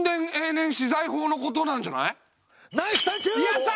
やった！